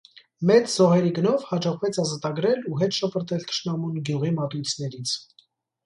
Մեծ զոհերի գնով հաջողվեց ազատագրել ու հետ շպրտել թշնամուն գյուղի մատույցներից։